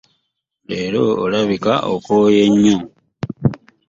Leero olabika okooye nnyo.